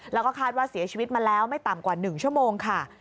แล้วก็คาดว่าเสียชีวิตมาแล้วไม่ต่ำกว่า๑ชั่วโมงค่ะ